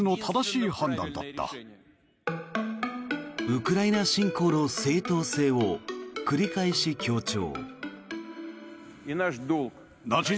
ウクライナ侵攻の正当性を繰り返し強調。